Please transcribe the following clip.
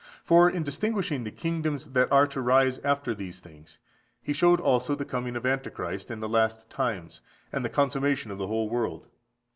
For in distinguishing the kingdoms that are to rise after these things, he showed also the coming of Antichrist in the last times, and the consummation of the whole world.